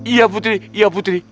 iya putri iya putri